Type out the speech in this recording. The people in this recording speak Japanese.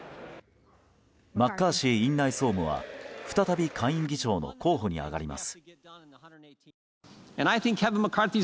マッカーシー院内総務は再び下院議長の候補に挙がります。